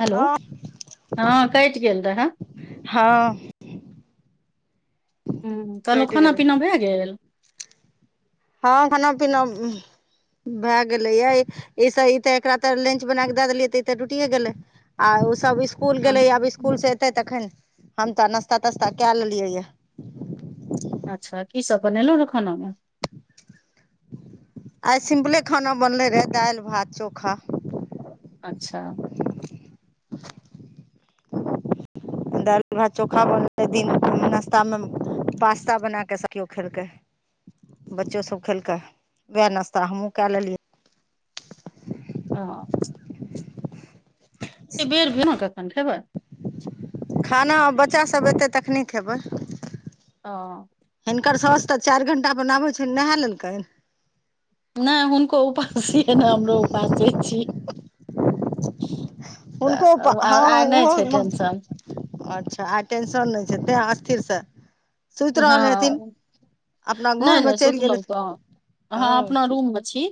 Hello हँ हँ cut गेलल रहा हँ कटि कहलुखाना गेलै पीना भए गेल हँ खाना पीना भए गेलै य ईस ई तऽ एकरा तऽ लंच बना कऽ दए देलियै तऽ ई तऽ ड्यूटी गेलै आ ओ सब इसकुल हँ। गेले ये आब इसकुल से ऐते तखन हम तऽ नास्ता तास्ता केँ लेलियै ये अच्छा की सब बनेलै है खाना मे आइ सिम्पले खाना बनले रहे दाइल भात चोखा अच्छा दाइल भात चोखा बनलै दिन नाश्ता म पास्ता बनै कऽ सब कियों खेलकै बच्चो सब खेलकै वहै नाश्ता हमहुँ केँ लेलियै [unintelligible] एत बेर भऽ अहाँ कखन खेबै खाना आ बच्चा सभ ऐतै तखने खेबै अ हिनकर साँस तऽ चाइर घण्टा बनाबैन छैनि नहै लेलकाइन नै हुनको उपास छीयै नै हमरा उपासे छियै [unintelligible] हुनको आइ नै छै टेंशन अच्छ आइ टेंशन नै छै तैं स्थिर स [inaudible] सुति रहल हेथिन। हँ अपना घरमे चेल गेलै थ अहाँ अपना रूम में छी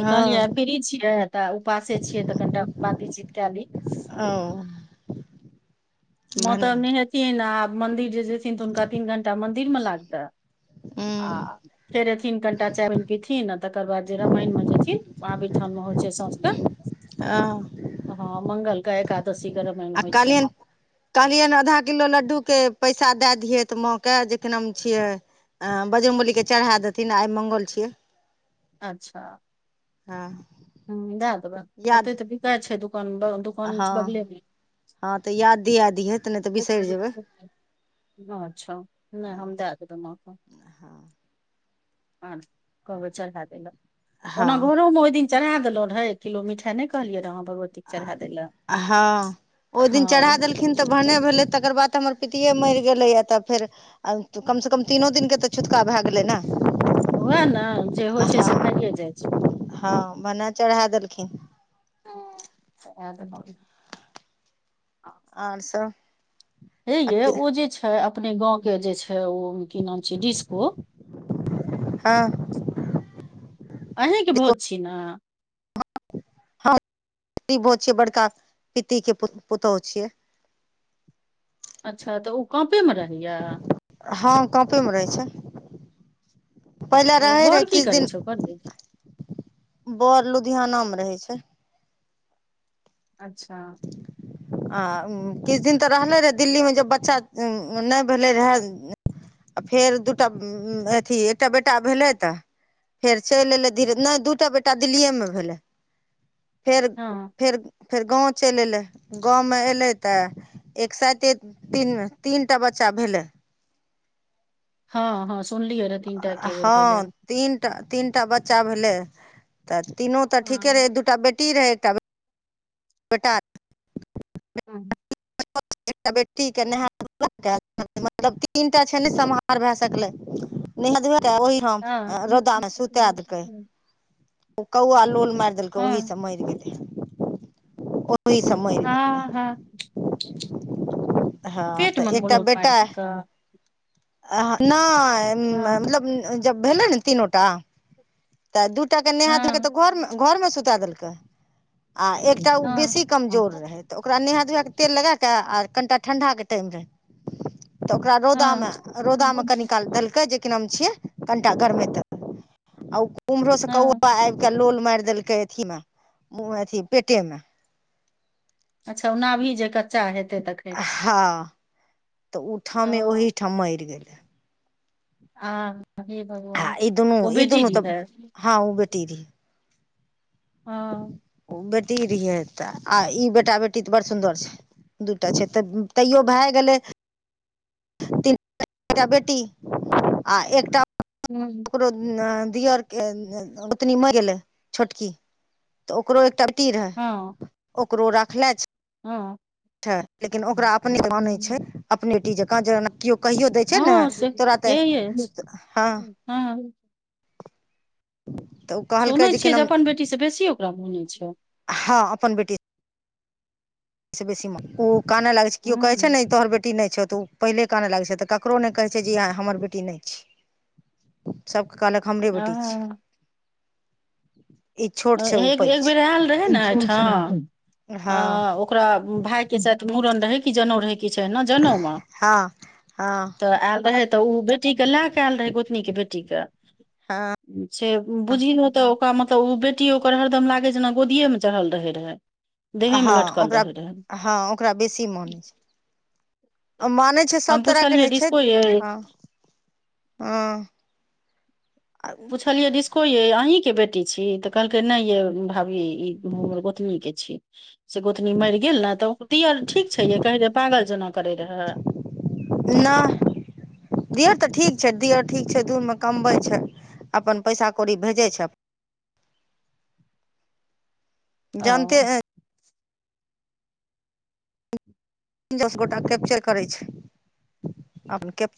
तऽ हँ कहलियै आइ फिरी छियै तऽ उपवासे छियै तऽ कनिटा बातीचीत कए ली [unintelligible] माँ भने तऽ हूँ नैहेथिन आब मंन्दिर जे जेथिन तऽ हुनका तीन घंटा मंदिर म लागतै। [inaudible] आ। फेर एथिन कनिटा [unintelligible] आ तकर बाद जे रामायण मे जेथिन व थान मे होइ छै सौझक।? [unintelligible] [unintelligible] हँ मंगल कऽ एकादशीे रमायण होइ छै। कहलियनि कहलियनि आधा किलो लडडू केँ पैसा दै दियै तऽ माँ केँ जे केँ नाम छियै। ह बजरंगवली चढ़ा देथिन आइ मंगल छियै। अच्छा। हँ। ह दए देबै याद ओते तऽ बिका छै दुकान दुकान हँ बगलेमे। हँ तऽ याद दिया दियहे तऽ नै तऽ बिसैर जेबै। अच्छा नै हम दए देबै माँ कऽ [unintelligible] आ कहबै चढ़ा देल हँ ओना घरो में ओइन दिन चढ़ा देलो रहे एक किलो मिठाइ नै कहलियै रह भगवती कऽ चढ़ा दै लए। ओइ दिन चढ़ा हँ देलखिन तऽ भने भेलै तकर बाद हमर पित -तियै मैर गेलै या तऽ फेर कम से कम तीनो दिन केँ तऽ छुत्तका भै गेलै न ओएह ने जे होइ छै से भइए जाइ छै। हँ भनै चढ़ा देलखिन। [unintelligible] और सब हे ये ओ जे छै अपने गाँव केँ जे छै ओ की नाम छिय डिस्को। हँ [inaudible] अहीं केँ देखो भोज छी न [unintelligible] हँ गो छियै बड़का पितिके पुतोहु छियै। अच्छा तऽ ओ काँपे में रहैया। हा काँपे में रहै छै। पहिले ओ रहैत रहै बर की किछु करै दिन। छै ओकर यै वर लुधियाना में रहै छै। अच्छा आ किछु दिन तऽ रहलै रहए दिल्ली में जब बच्चा नहि भेलै रहए आ फेर दूटा अथी। एकटा बेटा भेलै तऽ फेर चलि एलै धीरे नहि दू टा बेटा दिल्लीए में भेलै फेर हँ फेर फेर गाँव चलि एयलै गाँव में एयलै तऽ एक सते तीन तीनटा बच्चा भेले हँ ह सुनली अर तीनटा एकेबेर भेले तीनटा बच्चा भेले तऽ तीनो तऽ हँ ठीके हँ रहे एक दूटा बेटी रहे एकट बेटा हू एकटा बेटी के नहा ध मतलब तीनटा छै। ने समहार भए सकलै। नहा ओहि हम रौदा में सुता देलकै ओ कौआ लोल मारि देलकै ओहि हँ से मरि गेलै ओहि मरि गेल हँ हँ, हँ पेट तऽ मे एकटा मलोट मारि बेटा देलकै नहि हँ मतलब जब भेलै ने तीनो टा तऽ दूटा के नहा धेलकै हँ तऽ घोर घो में सुता देलकै। आ हँ एकटा ओ हँ बेसी कमजोर रहथि। तऽ ओकरा नहा धोआ के तेल लगाकऽ आ कनिटा ठण्डा के टाइम रहै तऽ ओकरा रौदा हँ में रौदा में कनि काल देलकै जेक नाम छियै कनिटा गरमेत आ उम्हरो से कौआ आब के लोल मारि देलक अथी मे अथी पेटे में अच्छा ओना भी जे कच्चा हेतै तख हँ तऽ ठमे हँ ओहि ठाम मरि गेल। आ हे आ भगवान ई दुनू ओ ई बेटी दुनू तऽ दिय। हँ ओ बेटी धि हा ओ बेटी रहिये तऽ आ ई बेटा बेटी तऽ बड़ सुन्दर छै। दूटा छै। तऽ तैयो भए गेलै एकटा बेटी आ एकटा। हू। ओकरो दियर के ओतनी मरि गेलै छोटकी तऽ ओकरो एकटा। रहै ओकरो रखले छै। हा छै। लेकिन ओकरा अपने मानै छै। अपने बेटी जकाँ जेज केओ कहियो दै छै। ने हँ से तोरा हे तऽ यै हँ हँ। तऽ ओ कहलकै सुनैत कि छियै जे नाम अप्पन बेटी सँ बेसी ओकरा बुनै छै। हँ अप्पन बेटी बेसी ओ काने लागै छै। केओ कहे छै। हँ ने तोहर बेटी बेटी नहि छौ तऽ ओ पहिलेके आनय लागै छै। तऽ ककरो नहि कहै छै। जे हमर बेटी नहि छै। सभ के कहलक हमरे बटै छै। ओ पैघ एक बेर छै आयल रहे ने एहिठा में हँ ओकरा भाय के साथ मुड़न रहे कि जनेउ रहै छै जनउ मे हँ हँ तऽ आयल रहे तऽ ओ बे बेटी के लए कऽ आयल रहे गोतनी के बेटी के हँ से बुझ नऽ तऽ ओकरा मतलब ओ बेटी ओकर हरदम लागै जेना गोदिएमे चढ़ल रहैत रहै हँ ओकरा हँ ओकरा बेसी माने छै मानै छै हम सभ तरहके पुछलियै रहै छै डिस्को यै हँ हँ पुछलियै िस्को ये अहीँके बेटी छी तऽ कहलकै नहि ये भाभी ई हम हमर गोतनीके छी से गोतनी मरि गेल ने तऽ दियर ठीक छै ये कहै रहे पागल जेना करै रहए नऽ दिौ तऽ ठीक छै दिह ठीक छै दूबेमे कमबै छै अपन पैसा कौड़ी भेजैत छै ओ जानते ए दस गोटा कैप्चर करै छै अपन कैप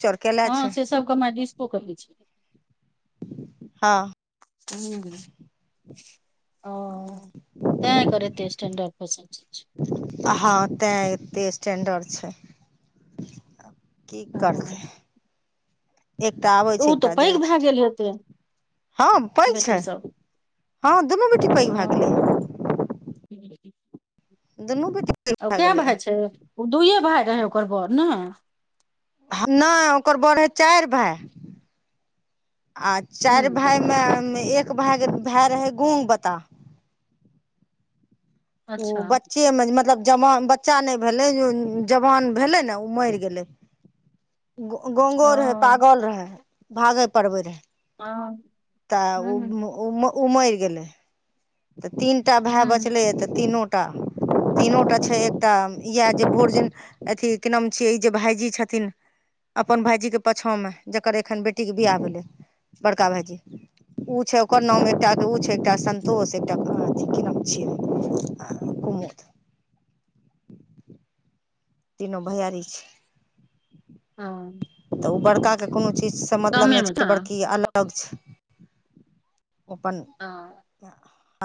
हँ से सब के माय डिस्को कहै छै हँ ह ओ तै ऐकर ऐते स्टेंडर [unintelligible] हँ तें एते स्टेंडर्ड छैय की करतै हँ एकटा आबै छै ओ तऽ एकटा पैघ जाइ भए छै गेल हेतै हँ पैघ छै बेटी सब हँ दुनू बेटी पैघ हँ भए गेलै दुनू बेटी पैघ ओ कऽ गेलैए भए छै ओ दुइए भाय रहै ओकर बड़ ने नहि ओकर बड़ रहे चारि भाय आ चारि हूँ भाय मे एक भ भाय रहे गोंग बताह ओ अच्छा बच्चे मे मतलब जवान बच्चा नहि भेलै जवान भेले नऽ ओ मरि गेलै ग ओ गोंगो रहे पागल रहे भागेय पढ़बे हँ रहे ता उ हूँ उ मे उ मेर गेलैय तऽ तीन टा भाय हूँ बचलै तऽ तीनो तीनो टा छै एकटा इएह जे भोज अथी कि नाम छियै ई जे भाायजी छथिन अपन भायजी के पछा में जकर ऐखन बेटी के बिियाह भेलै बड़का भायजी उ छै उकर नाम एक टा ओर छै एकटा सन संतोष एकटा कि नाम छियै कुमोद तीनो भैयारी छैय हँ तऽ उ बड़का के कोनो चीज से मतलब ने गामेमे छै छेय न बड़की अलग अलग छे अपण [unintelligible]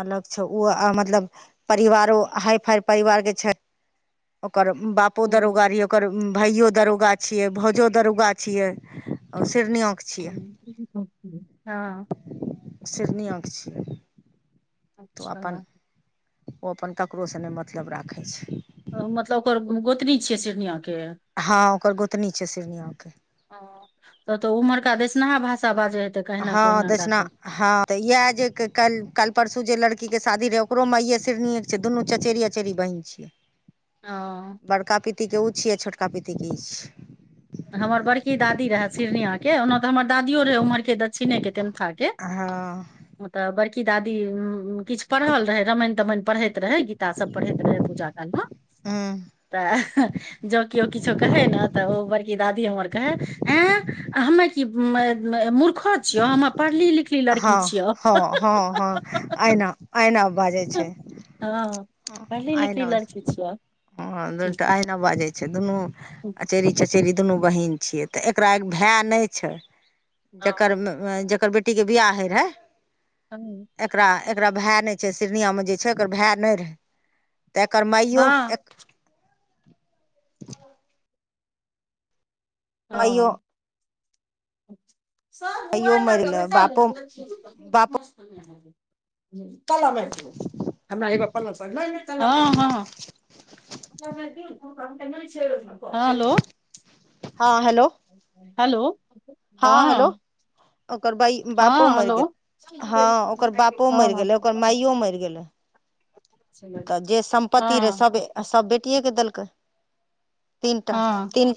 अलग छे उ आ मतलब परिवारो हाय फाय परिवार के छे ओकर बापो हूँ दरोगा रहिये ओकर भाइयो दरोगा छियै भौजो दरोगा छिये सिर नियो [unintelligible] शिरनीया कऽ छिये अच्छा ओ अपन ककरोसँ ने मतलब राखे छे मतलब ओकर गोतनी छिये शिरनिया के हँ ओकर गोतनी छैय शिर नियके। ह तऽ तऽ उम्हरका देसनहा भाषा बाजैत हेतै। कहिना कऽ हँ ओना कऽ दक्षिणा कऽ हँ ते इया जे कल कल परसू जे लड़की के शादी रहे ओकरो माये शिरनिये छैय दुनु चचेरी अचेरी बहिन छीयै। ओ बड़का पिति के उ छिये छोट का पिति के ई छिये। हमर बड़की दादी रहा शिरनिये के ओना तऽ हमर दादीयो रहय उम्हर के दक्षिणके तेमथा के। हँ त बड़की दादी किछ पढ़ल रहेय रमायन तमायन पढई। रहै गीता सब पढ़त रहै पूजा काल मे। हूँ तऽ जो किओ किछो कहे ने तऽ ओ ब दादी हमर कहे ए हमें की मूखरो छ्हियो ह पढ़ली लिखली लड़की हँ छियौ हँ हँ हँ ऐना ऐना बाजय छैय। हँ पढ़ली लिखल लड़की छिया। ह दुनु आहिना बाजे छैय दुनु हँ अचेरी चचेरी दुनु बहिन छियै। तऽ एकरा भाय नहि छैय जकर जकर बेटी के बियाह हेय रहेय। [unintelligible] एकरा एकरा भाय ने छे शिर निया मे छे एकर भाय ने रहे तऽ एकर माइयो माइयो ओ सब माइयो मरि मबाइल गेलै बापो लाय बापो के बेशल रहेछ। [unintelligible] हँ हँ हँ हेलों। हँ हेलो हेलो हँ हेलो उकर बई बापो हँ मरि हेलो गेलय हँ ओकर बापो मेर हँ गेले ओकर माइयो मेर गेले। तऽ जे सम्पत्ती रहै हँ सब सब बेटीये के देलकय। तीन टा हँ तीन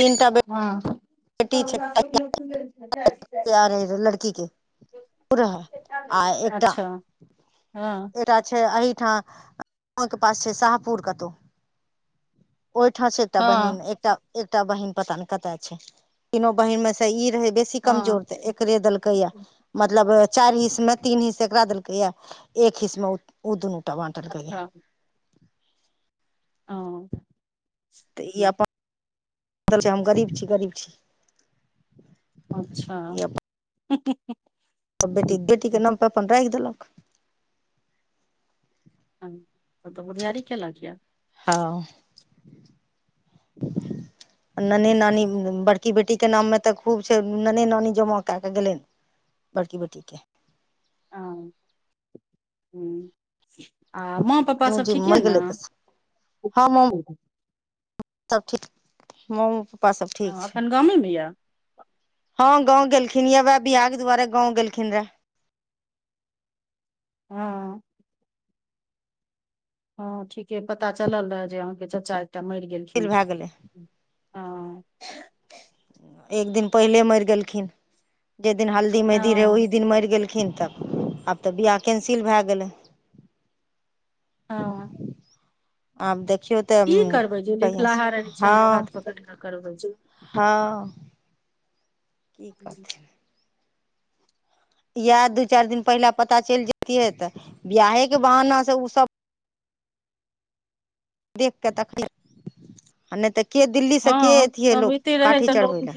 तीन टा बे हँ [unintelligible] प रहै आ एकटा अच्छा हँ एकटा छैय एठाम गाँव के पास छैय शाहपुर कतौ। ओयठ छैय एकटा बहिन हँ एक एकटा बहिन पता ने कतय छे तीनो बहिन में से ई रहे बेसी छी कमजोर हँ त एक एकरे देल के या मतलब चायर हिस्स में तीन हिस्स एकरा देल के या एक हिस्स मे ओ उ दुनु टा बाँटलकय। अच्छा ओ तऽ ई अपन हम गरीब छी गरीब छी। अच्छा हूं हूं हूं त बेटी बेटीके नामपे अपन राखि देलक। तऽ बुधियारी केलक यऽ। हँ ? नने नानी बड़की बेटी के नाममे तऽ खूब छैय नने नानी जमा क के गेलनि। बड़की बेटी के। हँ हुँ आ मम्मी पप्पा दुनू सब जी ठीक यै मरि ने। गेलै तऽ हँ मम सब ठीक मोमो- हँ एखन गामेमे यऽ। हँं गाँंव गेलखिन ये वैह बियाह के दुआरे गाँंव गेलखिन रहे। हँ। हँ ठीके पता चलल रहय जे अहाँके चाचा एकटा मरि गेलखिन। भए गेलै हँ। एक दिन पहिले मरि गेलखिन जहि दिन हल्दी मेहदी रहै हँ ओही दिन मरि गेलखिन तब। आब तऽ बियाह कैंसिल भए गेलै। हँ। आब देखियौ। तऽ की करबै जे कहिया लिखलाहा रहै छै ओ हँ हाथ पकड़ि कऽ करबै छै। हँ। की करथिन। इएह दू चारि दिन पहिला पता चलि जैतियै तऽ बियाहे के बहाना से उ सब। देखिकऽ तखनी आ नय तऽ के दिल्लीसँ के हँ अतियै तब लोक एते रहै काठी तऽ लोक चढ़बै लए।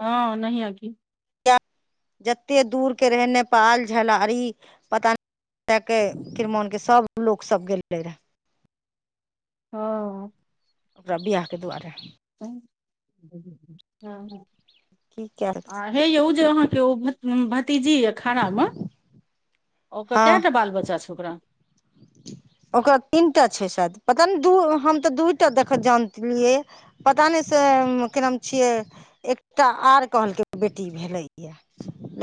हँ नहि अ की। जते दूर के रहे नेपाल झलारी पता। तके किरमानके सब लोकसभ गेलै रहए। हँ। ओकरा बिआहके दुआरे। [unintelligible] की कैल आ हे यौ उ जे अहाँ के उ भतीजी य। खाना मे ओकर हँ कैटा बाल बच्चा छै ओकरा। ओकरा तीन टा छै शायद पता नय दू हम तऽ दूटा देखऽ जानतिलियै। पता नय से की नाम छियै एकटा आर कहलकै बेटी भेलैये।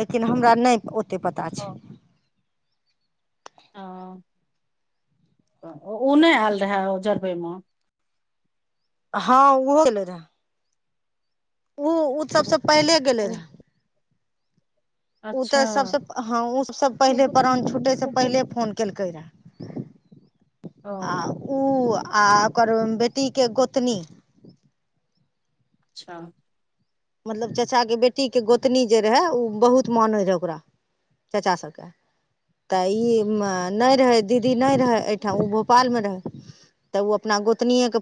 लेकिन हमरा नय ओते पता ह छै। हँ ओ उ नय आयल रहेै ओ जरबै मे। हँ ओहो गेल रहै। ओ ओ सबसँ पहिले गेलै ओ- रहै। उ अच्छा तऽ सबसँ हँ उ सब पहिले प्रान छुटै से पहिले फोन केलकै रहै। ओ उ आ ओकर बेटी के गोतनी अच्छा मतलब चचाके बेटीके गोतनी जे रहै उ बहुत मानै रहै ओकरा। चाचा सभके। तऽ ई नय रहै दीदी नय रहय एहिठाम ओ भोपालमे रहै। तऽ उ अपना गोतनीेयें के फोन।